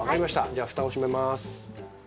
じゃあふたを閉めます。